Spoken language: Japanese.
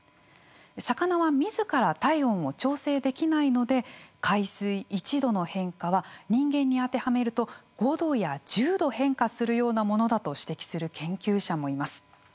魚は自ら体温を調整できないので海水１度の変化は人間に当てはめると５度や１０度変化するようなものだと指摘する研究者もいます。